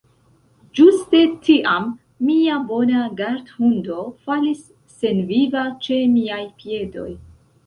Ĝuste tiam, mia bona gardhundo falis senviva ĉe miaj piedoj.